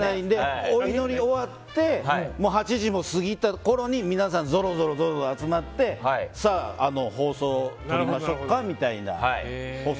祈り終わって８時も過ぎたころに皆さん、ぞろぞろ集まって放送しましょうかみたいな。